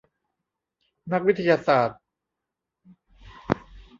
นักวิทยาศาสตร์